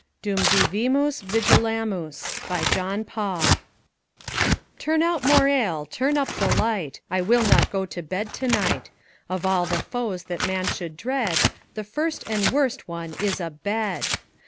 DUM VIVIMUS VIGILAMUS BY JOHN PAUL Turn out more ale, turn up the light; I will not go to bed to night. Of all the foes that man should dread The first and worst one is a bed.